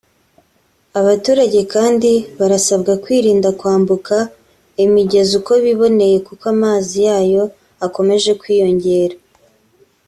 Abaturage kandi barasabwa kwirinda kwambuka imigezi uko biboneye kuko amazi yayo akomeje kwiyongera